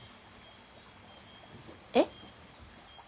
えっ？